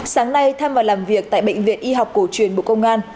sáng nay tham vào làm việc tại bệnh viện y học cổ truyền bộ công an